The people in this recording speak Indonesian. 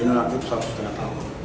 ini relatif satu setengah tahun